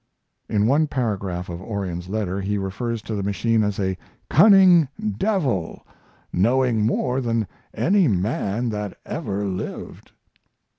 In one paragraph of Orion's letter he refers to the machine as a "cunning devil, knowing more than any man that ever lived."